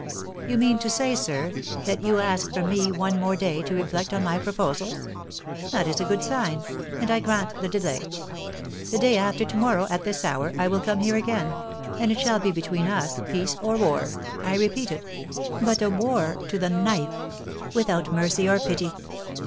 "You mean to say, sir, that you ask from me one more day to reflect on my proposals? That is a good sign, and I grant the delay. The day after to morrow, at this hour, I will come here again, and it shall be between us peace or war, I repeat it, but a 'war to the knife,' without mercy or pity."